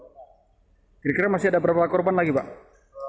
kira kira masih ada berapa korban lagi pak